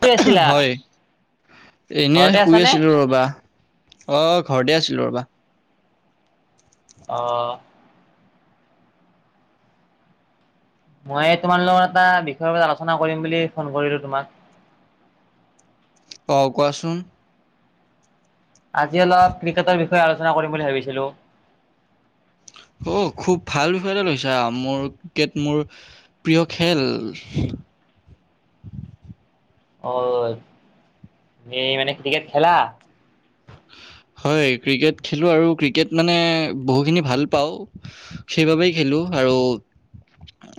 কৰি আছিলা হয় এনে ঘৰতে শুই আছানে? আছিলো ৰবা অ ঘৰতে আছিলো ৰবা আহ মই তোমাৰ লগৰ এটা বিষয়ৰ ওপৰত আলোচনা কৰিম বুলি ফোন কৰিলো তোমাক অ কোৱাচোন আজি অলপ ক্ৰিকেটৰ বিষয়ে আলোচনা কৰিম বুলি ভাবিছিলো অ খুব ভাল বিষয়ে লৈছা মোৰ ক্ৰিকেট মোৰ প্ৰিয় খেল অ এই মানে ক্ৰিকেট খেলা হয় ক্ৰিকেট খেলোঁ আৰু ক্ৰিকেট মানে বহুখিনি ভাল পাওঁ সেইবাবেই খেলোঁ আৰু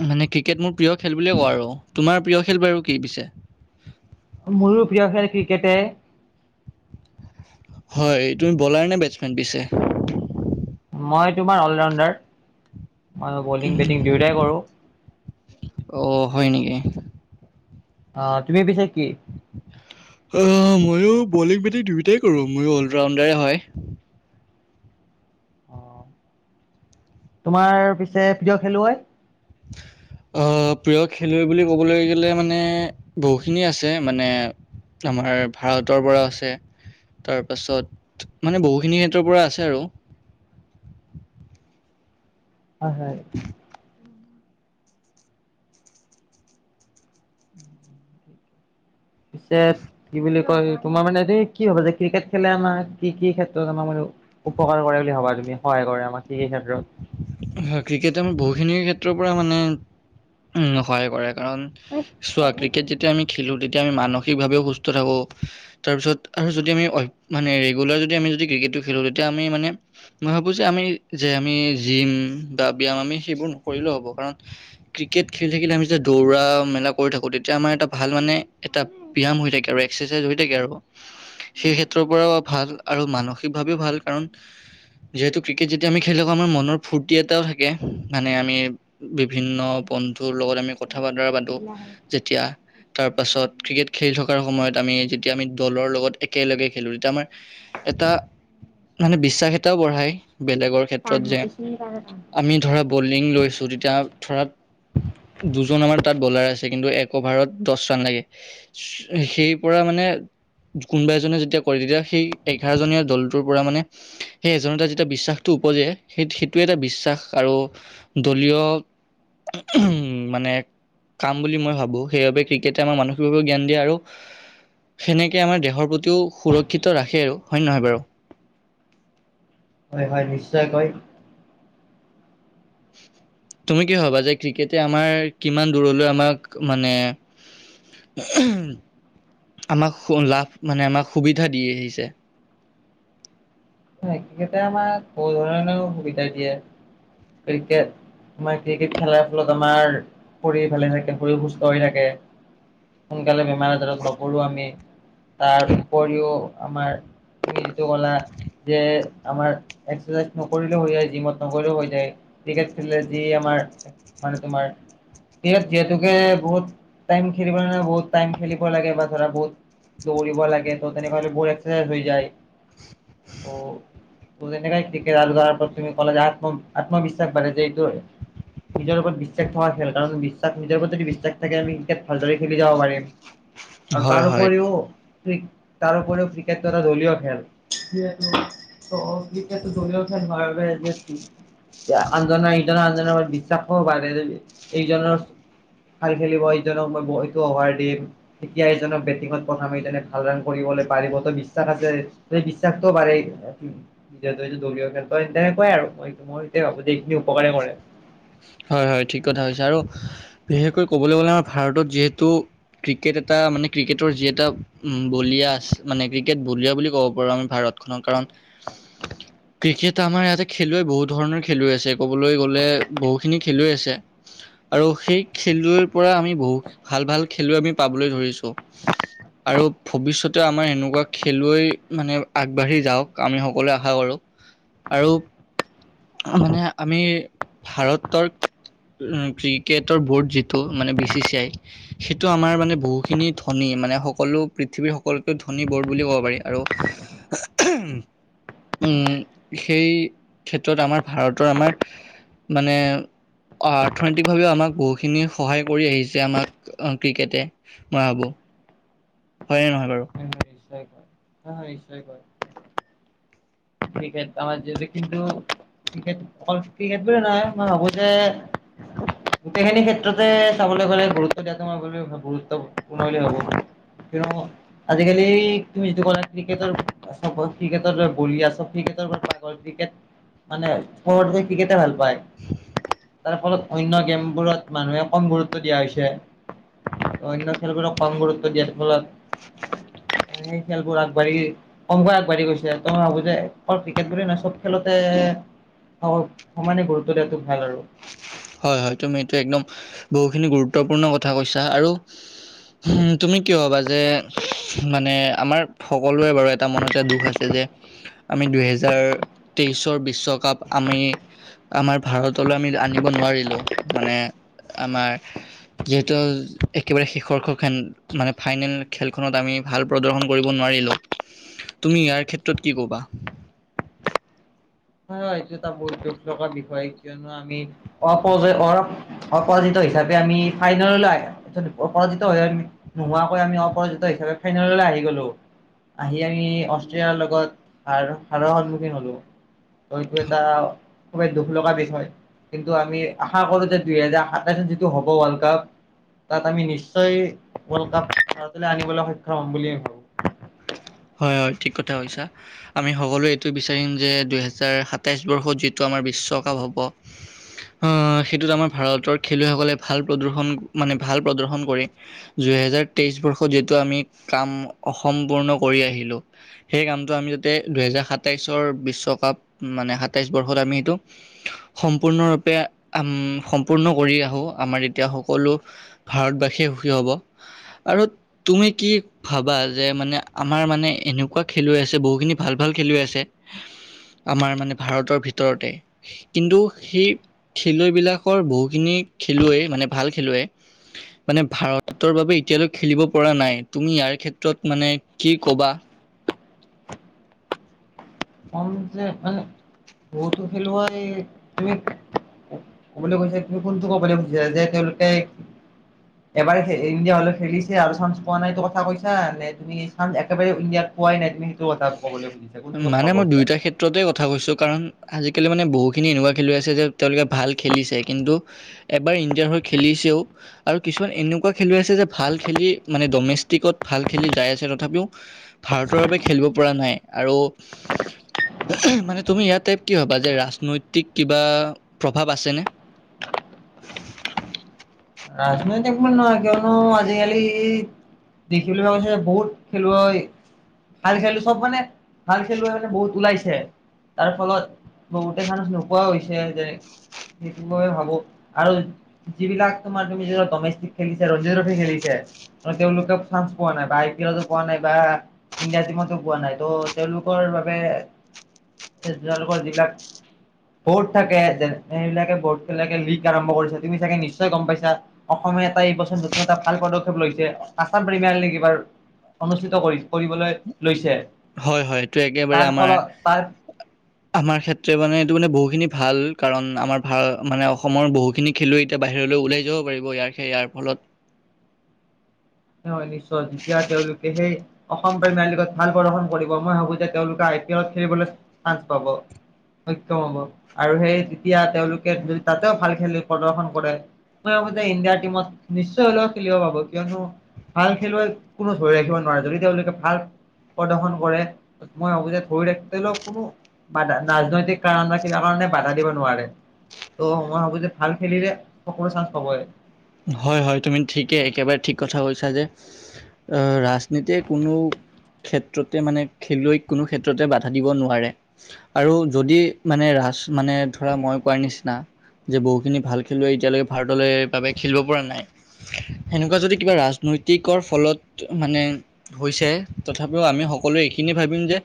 মানে ক্ৰিকেট মোৰ প্ৰিয় খেল বুলিয়ে কওঁ আৰু তোমাৰ প্ৰিয় খেল বাৰু কি পিছে মোৰ প্ৰিয় খেল ক্ৰিকেটে হয় তুমি বলাৰ নে বেটছমেন পিছে মই তোমাৰ অলৰাউণ্ডাৰ মই বলিং বেটিং দুয়োটাই কৰোঁ অ হয় নেকি অ তুমি পিছে কি আহ ময়ো বলিং বেটিং দুয়োটাই কৰো ময়ো অলৰাউণ্ডাৰে হয় অ তোমাৰ পিছে প্ৰিয় খেলুৱৈ আহ প্ৰিয় খেলুৱৈ বুলি ক'বলৈ গ'লে মানে বহুখিনি আছে মানে। আমাৰ ভাৰতৰ পৰা আছে তাৰ পাছত মানে বহুখিনি ক্ষেত্ৰৰ পৰা আছে আৰু [inaudible] হয় হয় তাৰ পিছত কি বুলি ক কয় তোমাৰ মানে এই কি হবা যে ক্ৰিকেট খেলে আমাৰ কি কি ক্ষেত্ৰত আমাৰ মানে উপকাৰ কৰে বুলি ভাবা তুমি সহায় কৰে আমাক কি কি ক্ষেত্ৰত? হয় ক্ৰিকেট অমি বহুখিনিৰ ক্ষেত্ৰৰ পৰা মানে উম হয় বাৰু কাৰণ চোৱা ক্ৰিকেট যেতিয়া আমি খেলো তেতিয়া তেতিয়া আমি মানসিকভাৱেও সুস্থ থাকো তাৰপিছত আৰু যদি আমি অ মানে ৰেগুলাৰ যদি আমি যদি ক্ৰিকেট খেলো তেতিয়া আমি মানে মই ভাবো যে আমি যে আমি জিম বা ব্যায়াম আমি সেইবোৰ নকৰিলেও হ'ব কাৰণ ক্ৰিকেট খেলি থাকিলে আমি যে দৌৰা মেলা কৰি থাকো তেতিয়া আমাৰ এটা ভাল মানে এটা ব্যায়াম হৈ থাকে আৰু এক্সাৰচাইজ হৈ থাকে আৰু সেই ক্ষেত্ৰৰ পৰাও ভাল আৰু মানসিকভাৱেও ভাল কাৰণ যিহেতু ক্ৰিকেট এতিয়া আমি খেলাকো আমাৰ মনৰ ফূৰ্তি এটাও থাকে মানে আমি বিভিন্ন বন্ধুৰ লগত আমি ক [inaudible] কথা বতৰা পাতো যেতিয়া তাৰ পাছত ক্ৰিকেট খেলি থকাৰ সময়ত। আমি যেতিয়া আমি দলৰ লগত একেলগে খেলো তেতিয়া আমাৰ এটা। মানে বিশ্বাস এটাও বঢ়ায়। বেলেগৰ টান ক্ষেত্ৰত হয় যে এইখিনি বাৰু টান হয়। আমি ধৰা বলিং লৈছো তেতিয়া ধৰা। দুজন আমাৰ তাত বলাৰ আছে কিন্তু এক অভাৰত দছ ৰান লাগে সেই পৰা মানে কোনোবা এজনে যেতিয়া কৰে তেতিয়া সেই এঘাৰজনীয়া দলটোৰ পৰা মানে সেই এজন এ যে এটা বিশ্বাসটো উপজে সেই সেইটোৱে এটা বিশ্বাস আৰু দলীয় উম মানে কাম বুলি মই ভাবো সেইবাবে ক্ৰিকেটে আমাৰ মানসিকভাৱে জ্ঞান দিয়ে আৰু সেনেকে আমাৰ দেহৰ প্ৰতিও সুৰক্ষিত ৰাখে আৰু হয়নে হ নহয় বাৰু হয় হয় নিশ্চয়কৈ [unintelligible] তুমি কি ভবা যে ক্ৰিকেটে আমাৰ কিমান দূৰলৈ আমাক মানে উ [unintelligible] আমাক লাভ মানে আমাক সুবিধা দি আহিছে ক্ৰিকেটে আমাক বহু ধৰণে সুবিধা দিয়ে ক্ৰিকে আমাৰ ক্ৰিকেট খেলাৰ ফলত আমাৰ শৰীৰ ভালে থাকে শৰীৰ সুস্থ হৈ থাকে সোনকালে বেমাৰ আজাৰত নপৰো আমি তাৰ উপৰিও আমাৰ তুমি যিটো কলা যে আমাৰ এক্সাৰচাইজ নকৰিলেও হৈ যায় জিমত নকৰিলেও হৈ যায় ক্ৰিকেট খেললে যি আমাৰ মানে তোমাৰ ইয়াত যিহেতুকে বহুত টাইম খেলিব নালাগে বহুত টাইম খেলিব লাগে বা ধৰা বহুত দৌৰিব লাগে ত তেনেকা হলে এক্সাৰাইজ হৈ যায় ত তু তেনেকাই কিকেৰালু কৰাৰ তুমি কলা যে আত্ম আত্মবিশ্বাস বাঢ়ে যে এটো নিজৰ ওপৰত বিশ্বাস থকা খেল কাৰণ বিশ্বাস নিজৰ ওপৰত যদি বিশ্বাস থাকে আমি ক্ৰিকেট ভালদৰে খেলি যাব পাৰিম আৰু হয় হয় তাৰপৰিও ক্ৰি--তাৰপৰিও ক্ৰিকেটটো এটা দলীয় খেল তহতি [unintelligible] তে আনছনৰ ইজন আনজনৰ বিশ্বাসও বাাৰে এইজনৰ ভাল খেলিব এইজনক মই বলটো অভাৰ দিম তেতিয়া এইজনক বেটিঙত পথাম এইজনে ভাল ৰান কৰিব পাৰিব ত বিশ্বাস আছে সেই বিশ্বাসটো পাৰি হেতুটো দলীয় খেল তই তে কয় আৰু মই মই এ ভাবোঁ এইখিনি উপকাৰে কৰে হয় হয় ঠিক কথা কৈছে আৰু বিশেষকৈ ক'বলৈ গ'লে আমাৰ ভাৰতত যিহেতু ক্ৰিকেট এটা মানে ক্ৰিকেটৰ যি এটা উম বলিয়া আছে মানে ক্ৰিকেট বলিয়া বুলি ক'ব পাৰো আমি ভাৰত তক্ষণৰ কাৰণ [unintelligible] ক্ৰিকেট আমাৰ ইয়াতে খেলুৱৈ বহুত ধৰণৰ খেলুৱৈ আছে ক'বলৈ গ'লে বহুত খিনি খেলুৱৈ আছে আৰু সেই খেলুৱৈৰ পৰা আমি বহু ভাল ভাল খেলুৱৈ আমি পাবলৈ ধৰিছোঁ আৰু ভৱিষ্যতে আমাৰ এনেকুৱা খেলুৱৈ মানে আগবাঢ়ি যাওক আমি সকলোৱে আশা কৰো আৰু মানে আমি ভাৰতৰ উম ক্ৰিকেটৰ বোৰ্ড যিটো মানে বি চি চি আই সেইটো আমাৰ মানে বহুখিনি ধনি মানে সকলো পৃথিৱীৰ সকলোত ধনী বৰ্ড বুলি ক'ব পাৰি আৰু উম সেই ক্ষেত্ৰত আমাৰ ভাৰতৰ আমাৰ মানে [unintelligible] অৰ্থনৈতিকভাৱেও আমাক বহুখিনি সহায় কৰি আহিছে আমাক ক্ৰিকেটে মই ভাবোঁ [unintelligible] হয়নে নহয় বাৰু হা হয় নিশ্চয় কৈ ক্ৰিকেট আমাৰ যিটো কিন্তু ক্ৰিকট অকল ক্ৰিকেট বুলি নহই মই ভাবো যে গোটেইখিনি ক্ষেত্ৰত এ চাবলৈ গ'লে গুৰুত্ব দিয়া মই গুৰুত্ব পূৰ্ণ বুলি ভাবো কিয়ো আজিকালি তুমি যিটো কলা ক্ৰিকেটৰ চব ক্ৰিকেটৰ বলিয়া চব ্ৰিকটৰ কথা ক্ৰিকেট মানেবতে ক্ৰিকেটে ভাল পায় তাৰ ফলত অন্য গেমবোৰত মানুহে কম গুৰুত্ব দিয়া হৈছে অন্য খেলগৰ কম গুৰুত্ব দিয় ফলত সেই খেলবোৰ আগবাঢ়ি কমকৈ আগবাঢ়ি গৈছে ত মই ভাবো যে অকল ক্ৰিকেট বুলি নাই চব খেলতে সমানে গুৰুত্ব দিয়াটো ভাল আৰু হয় হয় তুমি এইটো একদম বহুখিনি গুৰুত্বপূৰ্ণ কথা কৈছা আৰু উ তুমি কি হবা যে মানে আমাৰ সকলোৰে বাৰু এটা মনতে দুখ আছে যে আমি দুহেজাৰ তেইশৰ বিশ্বকাপ আমি আমাৰ ভাৰতলৈ আমি আ নি নোৱাৰিলেও মানে আমাৰ যিহেতু একেবাৰে শেষৰ খ মানে ফাইনেল খেলখনত আমি ভাল প্ৰদৰ্শন কৰিব নোৱাৰো তুমি ইয়াৰ ক্ষেত্ৰত কি ক'বা [unintelligible] এইটো এটা বহুত দুখ লগা বিষয় কিয়নো আমি অপ অ অপৰাজিত হিচাপে আমি ফাইনেললৈ আহ অপৰাজিত হৈ আম নোহোৱাকৈ আমি অপৰাজিত াপে ফাইনেললৈ আহি গলো আহি আমি অষ্ট্ৰিয়াৰ লগত সাৰ সাৰৰ সন্মুখীন হলো ত এইটো এটা খুবেই দুখ লগা বিষয় কিন্তু আমি আশা কৰো যে দুহেজাৰ সাতাইশত যিটো হ'ব ৱৰ্ল্ড কাপ তাত আমি নিশ্চয় ৱৰ্ল্ড কাপ ভাৰ আনিবলৈ সক্ষম হম বুলিয়ে ভাবো হয় হয় ঠিক কথাছা আমি সকলোৱে এইটোোৱে বিচাৰিম যে দুহেজাৰ সাতাইছ বৰ্ষত যিটো আমাৰ বিশ্ব চকাাহ হ'ব আহ সেইটোত আমাৰ ভাৰতৰ খেলুৱৈসকলে ভাল প্ৰদৰ্শন মানে ভাল প্ৰদৰ্শন কৰি দুহেজাৰ তেইছ বৰ্ষত যিটো আমি কাম অসম্পূৰ্ণ কৰি আহিলো সেই কামটো আমি যাতে দুহেজাৰ সাতাইশৰ বিশ্বকাপ মানে সাতাইশ বৰ্ষত আমি সেইটো সম্পূৰ্ণৰূপে উম সম্পূৰ্ণ কৰি আহো আমাৰ এতিয়া সকলো ভাৰতবাসীয়ে সুখী হ'ব আৰু তুমি কি ভাবা যে মানে আমাৰ মানে এনেকুৱা খেলুৱৈ আছে বহুখিনি ভাল ভাল খেলুৱৈ আছে আমাৰ মানে ভাৰতৰ ভিতৰতে কিন্তু সেই খেলুৱৈ বিলাকৰ বহুখিনি খেলুৱৈ মানে ভাল খেলুৱৈ মানে ভাৰতৰ বাবে এতিয়ালৈক খেলিব পৰা নাই তুমি ইয়াৰ ক্ষেত্ৰত মানে কি ক'বা মান বতো খেলুৱম ক'বলৈ কৈছে তুমি কোনটো ক'বলৈ খুজিছা যে তেওঁলোকে এবাৰ ইণ্ডিয়া হলে খেলিছে আৰু চান্স পোৱা নাইতটো কথা কৈছা নে তুমি চানস একেবাৰে ইণ্ডিয়াত পোৱাই নাই তুম সেইটো কথা ক'বলৈুজিছ কোনটো কথা মানে কব মই দুয়োটা ক্ষেত্ৰতে কথা কৈছো কাৰণজ কেেললৈ মানে বহুখিনি এনেকুৱা খেলুৱৈ আছে যে তেওঁলোকে ভাল খেলিছে কিন্তু এবাৰ ইণ্ডিয়াৰ হৈ খেলিছেও আৰু কিছুমান এনেকুৱা খেলুৱৈ আছে যে ভাল খেলি মানে ডমেষ্টিকত ভাল খেলি যাই আছে তথাপিও ভাৰতৰ বাবে খেলিব পৰা নাই আৰু মানে তুমি ইয়াত টাইপ কি হবা যে ৰাজনৈতিক কিবা প্ৰভাৱ আছেনে ৰাজনৈতিক মল নহয় কিয়নো আজিকালি দেখিবলৈ পোৱা গৈছে বহুত খেলুৱৈ হয় ভাল খেলো চব মানে ভাল খেলুৱৈ মানে বহুত ওলাইছে তাৰ ফলত বহুতে মানু নোপোৱাও হৈছে যেনে সেইটো ময়ে ভাবো আৰু যিবিলাক তমাৰ তুমি ডমেষ্টিক খেলিছে ৰঞ্জ ট্ৰফি খেলিছে তেওঁলোকক চান্স পোৱা নাই বা আই পি এলো পোৱা নাই বা ইণ্ডিয়া টিমতো পোৱা নাই ত' তেওঁলোকৰ বাবে এই জালঘৰ জিলাক বৰ্ড থাকে যে সেইবিলাকে বডে লিক আৰম্ভ কৰিছ তুমি চাগে নিশ্চয় নিশ্চয় গম পাইছা অসমে এটা এই বছৰ নতুন এটা ভাল পদক্ষেপ লৈছে কা প্ৰেম নেকি বাৰ অনুষ্ঠিত কৰি কৰিবলৈ লৈছে হয় হয় এইটো একেবাৰে তাৰ আমাৰ। ফলত তাৰ আমাৰ ক্ষেত্ৰে মানে এইটো মানে বহুখিনি ভাল কাৰণ আমাৰ ভাল মানে অসমৰ বহুখিনি খেলুৱৈ এতিয়া বাহিৰলৈ ওলাই যাব পাৰিব ইয়াৰ সে ইয়াৰ ফলত। [inaudible] হয়, নিশ্চয় যেতিয়া তেওঁলোকে সেই অসম প্ৰিমিয়ামলীগত ভাল প্ৰদৰ্শন কৰিব মই ভাবো যে তেওঁলোকে আই- - পি এলত খেলিবলৈ চান্চ পাব। সক্ষম হ'ব আৰু সেই তেতিয়া তেওঁলোকে যদি তাতেও ভাল খেল প্ৰদৰ্শন কৰে মই ভাৱো যে ইণ্ডিয়া টীমত নিশ্চয় হলেও খেলিব পাব। কিয়নো- ভাল খেলুৱৈক কোনো ধৰি ৰাখিব নোৱাৰে যদি তেওঁলোকে ভাল প্ৰদৰ্শন কৰে মই ভাৱো যে ধৰি ৰাখি তেওলোকক কোনো ৰাজনৈতিক কাৰণ বা কিবা কাৰণ মানে বাধা দিব নোৱাৰে ত' মই ভাবো যে ভাল খেলিলে সকলো চান্স পাবই। হয় হয় তুমি ঠিকে একেবাৰে ঠিক কথা কৈছা যে- আহ ৰাজনীতিয়ে কোনো ক্ষেত্ৰতে মানে খেলুৱৈ কোনো ক্ষেত্ৰতে বাধা দিব নোৱাৰে আৰু যদি মানে ৰা মানে ধৰা মই কোৱাৰ নিচিনা যে বহু খিনি ভাল খেলুৱৈ এতিয়ালৈকে ভাৰতলে বাবে খেলিব পৰা নাই সেনেকুৱা যদি কিবা ৰাজনৈতিকৰ ফলত মানে হৈছে তথাপিও আমি সকলোৱে এইখিনি ভাবিম যে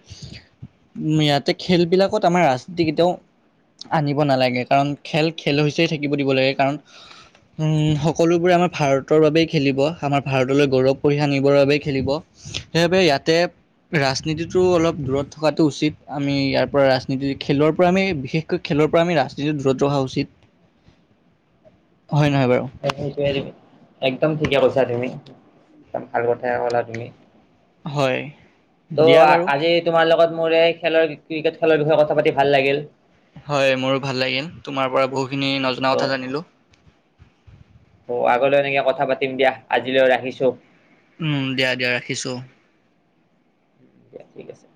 উ ইয়াতে খেলবিলাকত আমাৰ ৰাজনীতি কেতিয়াও আনিব নালাগে কাৰণ খেল খেল হৈছে থাকিব দিব লাগে কাৰণ উম সকলোবোৰে আমাৰ ভাৰতৰ বাবেই খেলিব আমাৰ ভাৰতলৈ গৌৰৱ কঢ়িয়াই আনিবৰ বাবে খেলিব। সেইবাবে ইয়াতে ৰাজনীতিটো অলপ দূৰত থকাটো উচিত আমি ইয়াৰ পৰা ৰাজনীতি খেলৰ পৰা আমি বিশেষকৈ খেল ফালৰ পৰা আমি ৰাজনীতিটো দূৰত ৰখা উচিত। [inaudible] হয় নহয় বাৰু সেইটোৱে একদম ঠিকে কৈছা তুমি একদম ভাল কথাই কলা তুমি। হয় ত' দিয়া বাৰু আজি তোমাৰ লগত মোৰ এই খেলৰ ক্ৰিকেট খেলৰ বিষয়ে কথা পাতি ভাল লাগিল। হয় মোৰো ভাল লাগিল তোমাৰ পৰা বহুখিনি নজনা কথা জানিলো। অ 'আগলৈ এনেকে কথা পাতিম দিয়া আজিলৈ ৰাখিছো। উম দিয়া দিয়া ৰাখিছো। দিয়া ঠিক আছে।